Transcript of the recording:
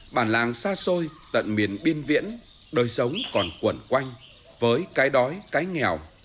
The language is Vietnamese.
bản làng xa xôi tận miền biên viễn đời sống còn quẩn quanh với cái đói cái nghèo